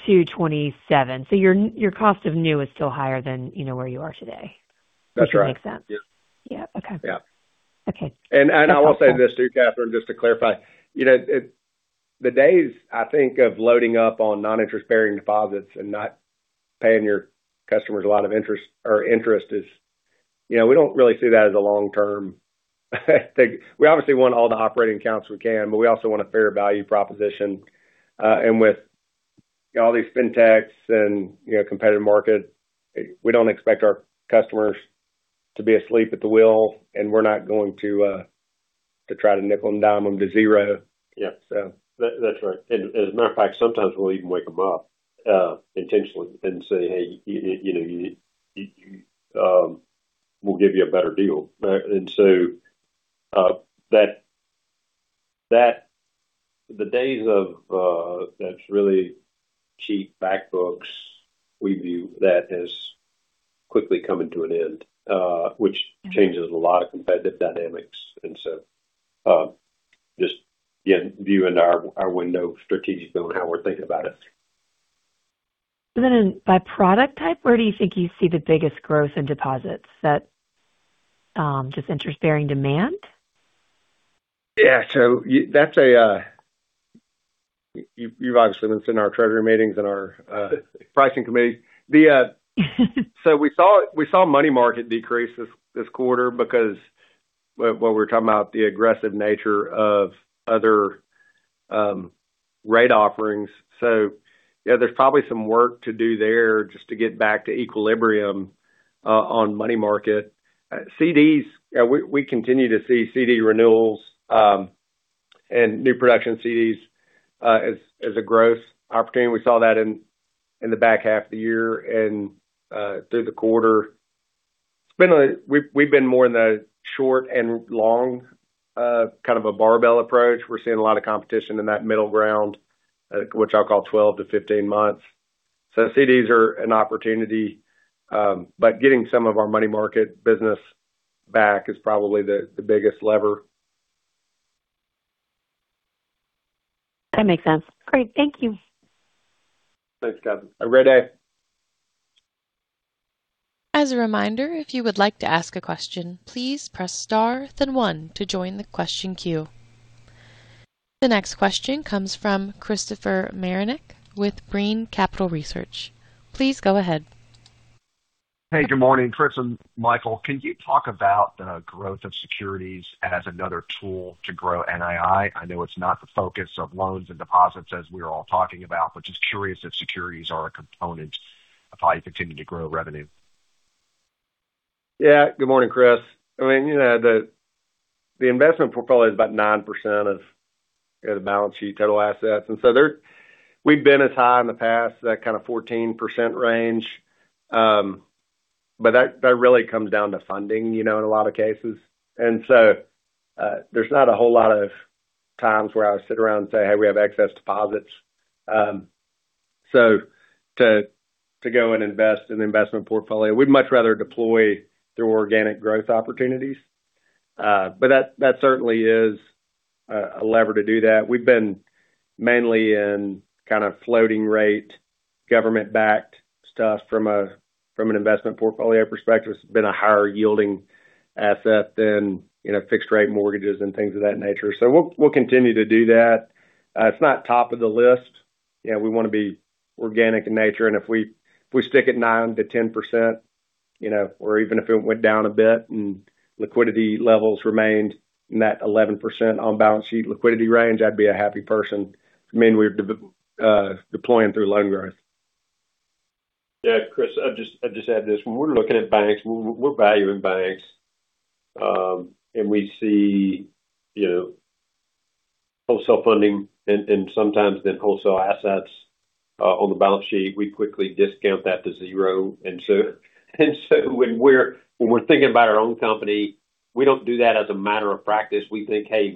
227. Your cost of new is still higher than, you know, where you are today. That's right. Which makes sense. Yeah. Yeah. Okay. Yeah. Okay. I will say this too, Catherine, just to clarify. The days, I think, of loading up on non-interest-bearing deposits and not paying your customers a lot of interest, we don't really see that as a long-term thing. We obviously want all the operating accounts we can, but we also want a fair value proposition. With all these fintechs and competitive market, we don't expect our customers to be asleep at the wheel, and we're not going to try to nickel-and-dime them to zero. Yeah. That's right. As a matter of fact, sometimes we'll even wake them up intentionally and say, "Hey, we'll give you a better deal." The days of those really cheap back books, we view that as quickly coming to an end, which changes a lot of competitive dynamics. Just viewing our window strategically on how we're thinking about it. By product type, where do you think you see the biggest growth in deposits? Is that just interest-bearing demand? Yeah, you've obviously been sitting in our treasury meetings and our pricing committee. We saw money market decrease this quarter because when we're talking about the aggressive nature of other rate offerings. Yeah, there's probably some work to do there just to get back to equilibrium on money market. CDs, we continue to see CD renewals, and new production CDs as a growth opportunity. We saw that in the back half of the year and through the quarter. We've been more in the short and long, kind of a barbell approach. We're seeing a lot of competition in that middle ground, which I'll call 12-15 months. CDs are an opportunity, but getting some of our money market business back is probably the biggest lever. That makes sense. Great. Thank you. Thanks, Catherine. Have a great day. As a reminder, if you would like to ask a question, please press star then one to join the question queue. The next question comes from Christopher Marinac with Brean Capital Research. Please go ahead. Hey, good morning, Chris and Michael. Can you talk about the growth of securities as another tool to grow NII? I know it's not the focus of loans and deposits as we are all talking about, but just curious if securities are a component of how you continue to grow revenue. Yeah. Good morning, Chris. The investment portfolio is about 9% of the balance sheet total assets. We've been as high in the past, that kind of 14% range. That really comes down to funding, in a lot of cases. There's not a whole lot of times where I sit around and say, "Hey, we have excess deposits." To go and invest in investment portfolio, we'd much rather deploy through organic growth opportunities. That certainly is a lever to do that. We've been mainly in kind of floating-rate, government-backed stuff from an investment portfolio perspective. It's been a higher-yielding asset than fixed-rate mortgages and things of that nature. We'll continue to do that. It's not top of the list. We want to be organic in nature. If we stick at 9%-10%, or even if it went down a bit and liquidity levels remained in that 11% on-balance-sheet liquidity range, I'd be a happy person. Mainly we're deploying through loan growth. `Yeah, Chris, I'll just add this. When we're looking at banks, when we're valuing banks, and we see wholesale funding and sometimes then wholesale assets on the balance sheet, we quickly discount that to zero. When we're thinking about our own company, we don't do that as a matter of practice. We think, hey,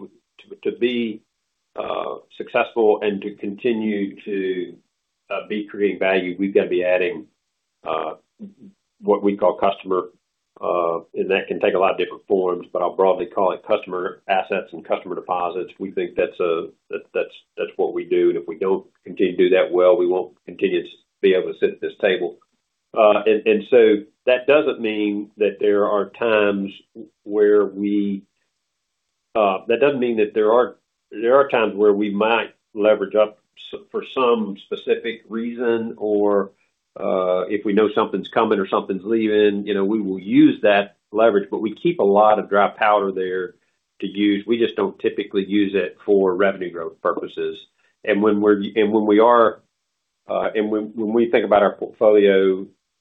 to be successful and to continue to be creating value, we've got to be adding what we call customer. That can take a lot of different forms, but I'll broadly call it customer assets and customer deposits. We think that's what we do, and if we don't continue to do that well, we won't continue to be able to sit at this table. There are times where we might leverage up for some specific reason, or, if we know something's coming or something's leaving, we will use that leverage. We keep a lot of dry powder there to use.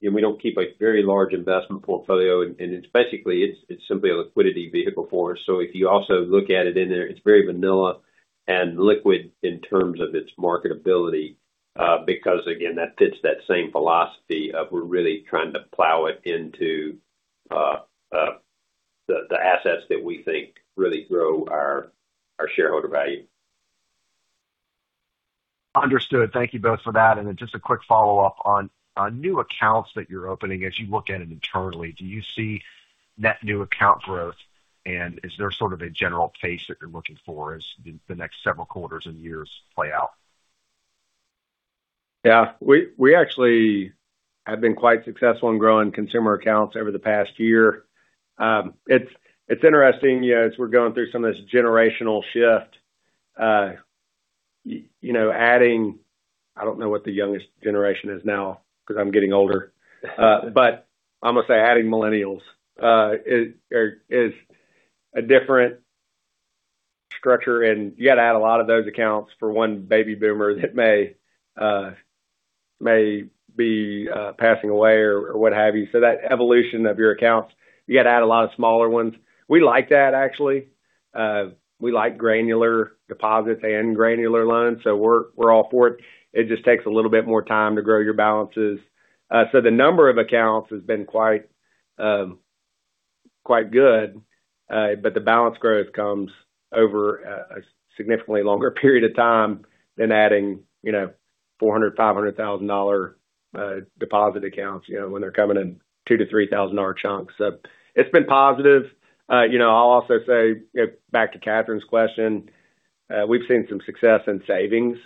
We just don't typically use it for revenue growth purposes. When we think about our portfolio, we don't keep a very large investment portfolio, and basically, it's simply a liquidity vehicle for us. If you also look at it in there, it's very vanilla and liquid in terms of its marketability, because, again, that fits that same philosophy of we're really trying to plow it into the assets that we think really grow our shareholder value. Understood. Thank you both for that. Just a quick follow-up on new accounts that you're opening, as you look at it internally, do you see net new account growth, and is there sort of a general pace that you're looking for as the next several quarters and years play out? Yeah. We actually have been quite successful in growing consumer accounts over the past year. It's interesting, as we're going through some of this generational shift, I don't know what the youngest generation is now because I'm getting older, but I'm going to say adding millennials is a different structure, and you got to add a lot of those accounts for one baby boomer that may be passing away or what have you. That evolution of your accounts, you got to add a lot of smaller ones. We like that, actually. We like granular deposits and granular loans, so we're all for it. It just takes a little bit more time to grow your balances. The number of accounts has been quite good. The balance growth comes over a significantly longer period of time than adding $400,000-$500,000 deposit accounts, when they're coming in $2,000-$3,000 chunks. It's been positive. I'll also say, back to Catherine's question, we've seen some success in savings,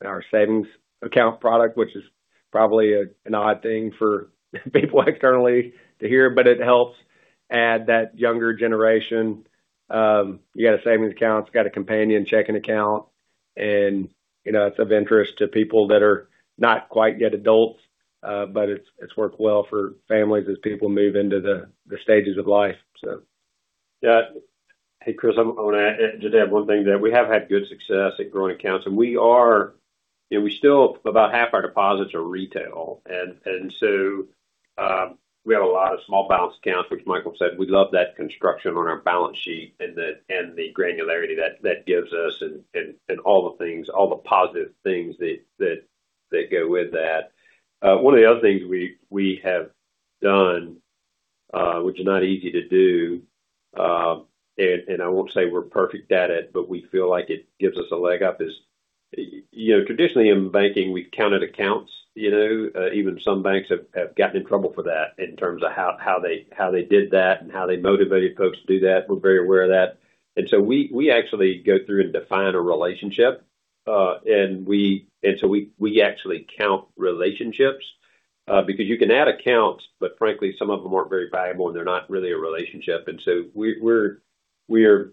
in our savings account product, which is probably an odd thing for people externally to hear, but it helps add that younger generation. You got a savings account, it's got a companion checking account, and it's of interest to people that are not quite yet adults. It's worked well for families as people move into the stages of life. Yeah. Hey, Chris, I want to just add one thing there. We have had good success at growing accounts, and still, about half our deposits are retail. We have a lot of small balance accounts, which Michael said, we love that construction on our balance sheet and the granularity that gives us and all the positive things that go with that. One of the other things we have done, which is not easy to do, and I won't say we're perfect at it, but we feel like it gives us a leg up, is traditionally in banking, we've counted accounts. Even some banks have gotten in trouble for that in terms of how they did that and how they motivated folks to do that. We're very aware of that. We actually go through and define a relationship. We actually count relationships. Because you can add accounts, but frankly, some of them aren't very valuable, and they're not really a relationship. We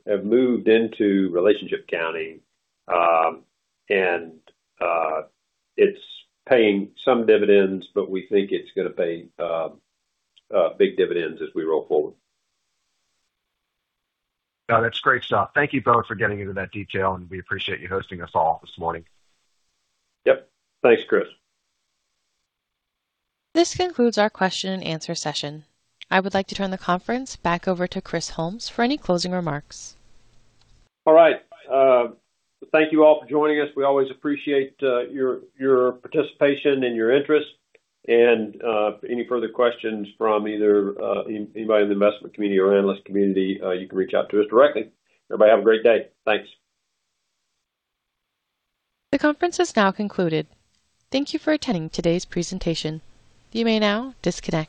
have moved into relationship counting. It's paying some dividends, but we think it's going to pay big dividends as we roll forward. No, that's great stuff. Thank you both for getting into that detail, and we appreciate you hosting us all this morning. Yep. Thanks, Chris. This concludes our question-and answer session. I would like to turn the conference back over to Chris Holmes for any closing remarks. All right. Thank you all for joining us. We always appreciate your participation and your interest. Any further questions from either anybody in the investment community or analyst community, you can reach out to us directly. Everybody have a great day. Thanks. The conference is now concluded. Thank you for attending today's presentation. You may now disconnect.